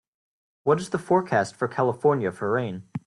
what is the forecast for California for rain